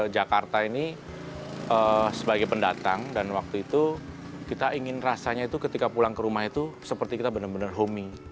jakarta ini sebagai pendatang dan waktu itu kita ingin rasanya itu ketika pulang ke rumah itu